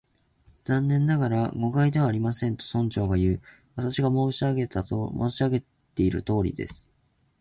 「残念ながら、誤解ではありません」と、村長がいう。「私が申し上げているとおりです」